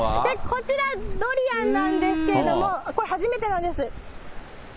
こちらドリアンなんですけれども、これ初めてなんです。